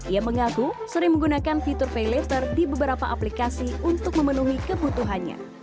ia mengaku sering menggunakan fitur pay later di beberapa aplikasi untuk memenuhi kebutuhannya